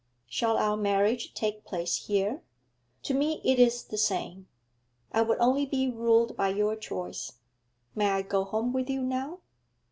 'Shall our marriage take place here? To me it is the same; I would only be ruled by your choice. May I go home with you now?'